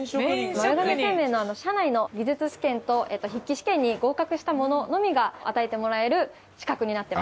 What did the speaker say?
丸亀製麺の社内の技術試験と筆記試験に合格した者のみが与えてもらえる資格になってます。